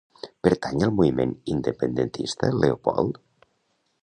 Pertany al moviment independentista el Leopold?